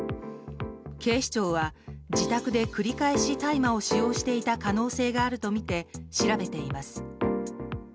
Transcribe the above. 警視庁は自宅で繰り返し大麻を使用した可能性があるとみて調べています。